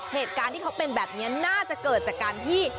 เหตุการณ์ที่เขาเป็นแบบนี้น่าจะเกิดจากการที่